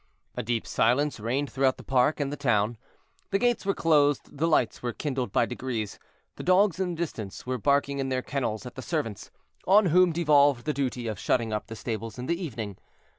A deep silence reigned throughout the park and the town; the gates were closed, the lights were kindled by degrees, the dogs in the distance were barking in their kennels at the servants, on whom devolved the duty of shutting up the stables in the evening.